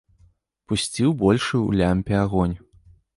Пусціў большы ў лямпе агонь.